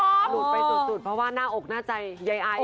หลุดไปสุดเพราะว่าหน้าอกหน้าใจยายไอ